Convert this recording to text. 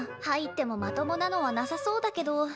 入ってもまともなのはなさそうだけど。